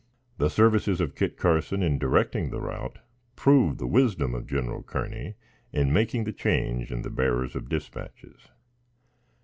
The services of Kit Carson in directing the route, proved the wisdom of General Kearney in making the change in the bearers of dispatches.